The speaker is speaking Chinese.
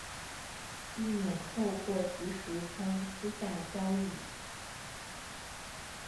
避免透过即时通私下交易